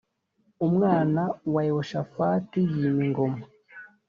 umwana wa yehoshafati yima ingoma